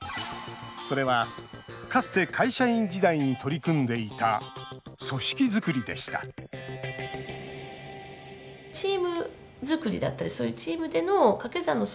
それは、かつて会社員時代に取り組んでいた組織作りでしたこんにちは。